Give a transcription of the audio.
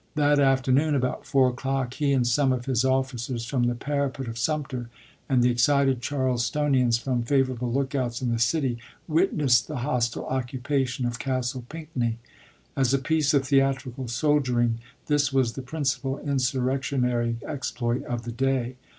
That afternoon, about 4 o'clock, he and some of his officers from the parapet of Sumter, and the excited Charlestonians from favorable lookouts in the city, witnessed the hostile occupation of Castle Pinckney. As a piece of theatrical soldiering this was the principal insurrectionary exploit of the day.